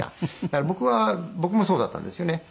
だから僕は僕もそうだったんですよね